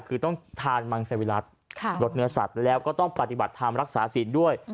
คือต้องทานมังเซวิรัติลดเนื้อสัตว์แล้วก็ต้องปฏิบัติธรรมรักษาศีลด้วย